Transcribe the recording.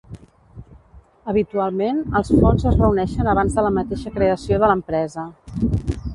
Habitualment els fons es reuneixen abans de la mateixa creació de l'empresa.